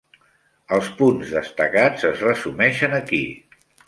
Els punts destacats es resumeixen aquí.